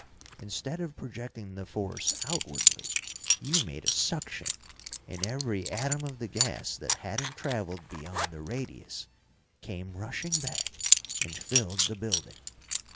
Instead of projecting the force outwardly, you made a suction, and every atom of the gas that hadn't travelled beyond the radius came rushing back and filled the building.